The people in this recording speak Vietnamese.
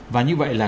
và như vậy là